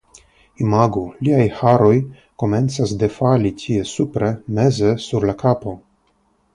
Imagu, liaj haroj komencas defali tie supre, meze sur la kapo.